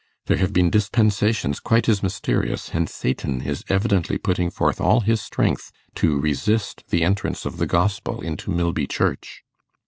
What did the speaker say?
There have been dispensations quite as mysterious, and Satan is evidently putting forth all his strength to resist the entrance of the Gospel into Milby Church.